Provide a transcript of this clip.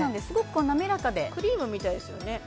すごくなめらかでクリームみたいですよね